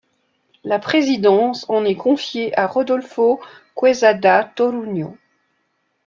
La présidence en est confiée à Rodolfo Quezada Toruño.